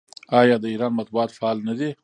آیا د ایران مطبوعات فعال نه دي؟